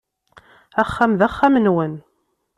Axxam d axxam-nwen.